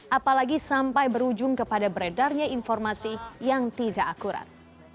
apalagi sampai berujung kepada beredarnya informasi yang tidak akurat